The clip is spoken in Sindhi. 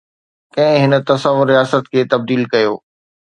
ڪنهن هن تصور رياست کي تبديل ڪيو؟